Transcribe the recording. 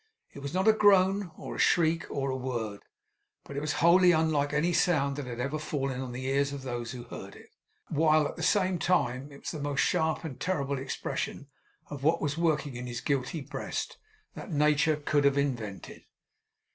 It was not a groan, or a shriek, or a word, but was wholly unlike any sound that had ever fallen on the ears of those who heard it, while at the same time it was the most sharp and terrible expression of what was working in his guilty breast, that nature could have invented.